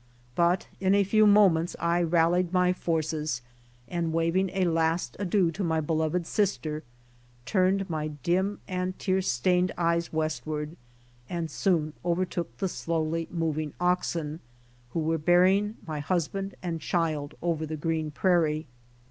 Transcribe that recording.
But in a few moments I rallied my forces, and waiving a last adieu to my beloved sister, turned my dim and tear stained eyes westward and soon overtook the slowly moving oxen, who were bearing my husband and child over the green prairie.